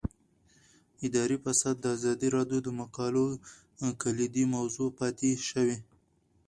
اداري فساد د ازادي راډیو د مقالو کلیدي موضوع پاتې شوی.